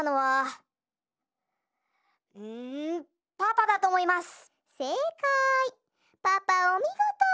パパおみごと！